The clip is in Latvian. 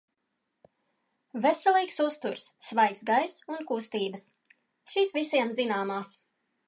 Veselīgs uzturs, svaigs gaiss un kustības – šīs visiem zināmās.